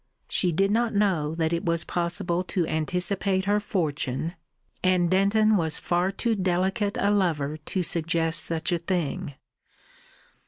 She did not know that it was possible to anticipate her fortune, and Denton was far too delicate a lover to suggest such a thing.